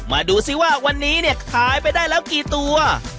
มาดูซิว่าวันนี้เนี่ยขายไปได้แล้วกี่ตัว